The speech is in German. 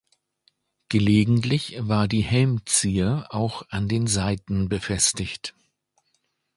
Gelegentlich war die Helmzier auch an den Seiten befestigt.